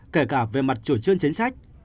kể cả về mặt chủ trương chiến sách